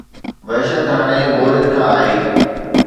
وحشت هاڻي بوريت کان آهي.